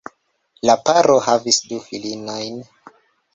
La paro havis du filinojn.